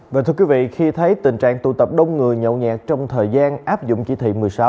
vâng thưa quý vị khi thấy tình trạng tụ tập đông người nhậu nhẹt trong thời gian áp dụng chỉ thị một mươi sáu